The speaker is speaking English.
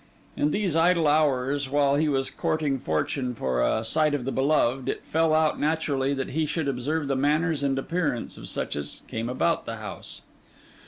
In these idle hours, while he was courting fortune for a sight of the beloved, it fell out naturally that he should observe the manners and appearance of such as came about the house.